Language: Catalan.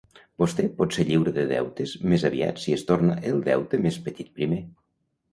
Vostè pot ser lliure de deutes més aviat si es torna el deute més petit primer.